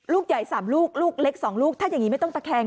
ลูกใหญ่๓ลูกลูกเล็ก๒ลูกถ้าอย่างนี้ไม่ต้องตะแคง